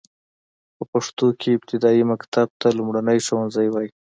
په پښتو کې ابتدايي مکتب ته لومړنی ښوونځی وايي.